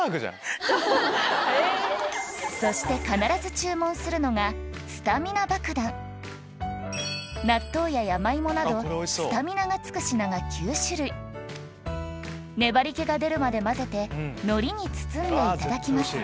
そして必ず注文するのが納豆や山芋などスタミナがつく品が９種類粘り気が出るまで混ぜてノリに包んでいただきます